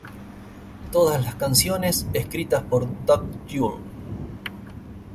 Todas las canciones escritas por Doug Yule.